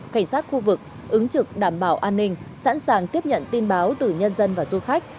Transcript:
cảnh sát khu vực ứng trực đảm bảo an ninh sẵn sàng tiếp nhận tin báo từ nhân dân và du khách